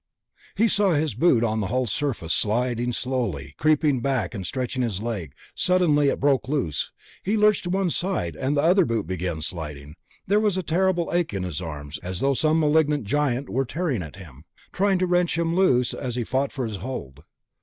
He saw his boot on the hull surface, sliding slowly, creeping back and stretching his leg, suddenly it broke loose; he lurched to one side, and the other boot began sliding. There was a terrible ache in his arms, as though some malignant giant were tearing at him, trying to wrench him loose as he fought for his hold.